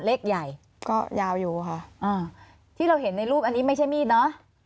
เลขใหญ่ก็ยาวอยู่ค่ะอ่าที่เราเห็นในรูปอันนี้ไม่ใช่มีดเนอะ